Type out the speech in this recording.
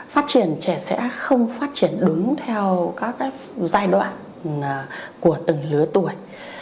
phát triển trẻ sẽ không phát triển đúng theo các giai đoạn của từng lứa tuổi